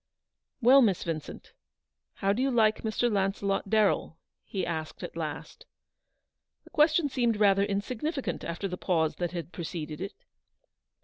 x 2 308 "Well, Miss Vincent, how do you like Mr. Lanncelot Darrell ? M he asked at last. The question seemed rather insignificant after the pause that had preceded it.